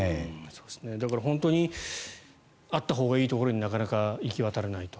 だから、本当にあったほうがいいところになかなか行き渡らないと。